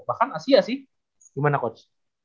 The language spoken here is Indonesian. bahkan asia sih gimana coach